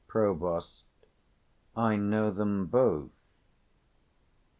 Prov. I know them both.